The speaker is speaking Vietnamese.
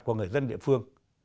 của người dân địa phương